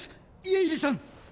家入さん！